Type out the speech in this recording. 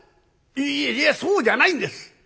いえいえそうじゃないんです。